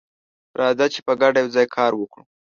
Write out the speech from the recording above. راځه چې په ګډه یوځای کار وکړو.